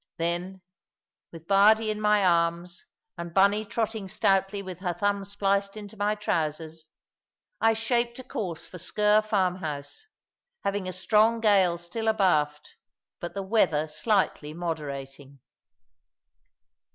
Then, with Bardie in my arms, and Bunny trotting stoutly with her thumb spliced into my trousers, I shaped a course for Sker farmhouse, having a strong gale still abaft, but the weather slightly moderating.